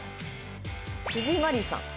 藤井マリーさん。